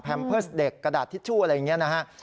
แพมเพิร์สเด็กกระดาษทิตทูอะไรอย่างนี้นะครับ